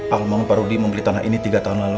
almarhum parudi membeli tanah ini tiga tahun lalu